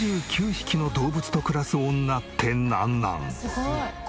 ２９匹の動物と暮らす女ってなんなん？